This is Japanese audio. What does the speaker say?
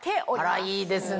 あらいいですね！